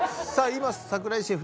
今櫻井シェフ